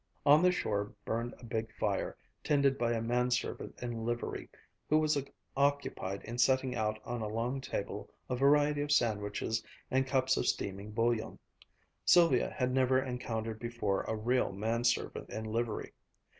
On the shore burned a big fire, tended by a man servant in livery, who was occupied in setting out on a long table a variety of sandwiches and cups of steaming bouillon. Sylvia had never encountered before a real man servant in livery.